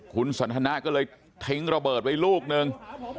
คุณสวรรย์ธนาก็เลยทิ้งระเบิดว่ายลูกหนึ่ง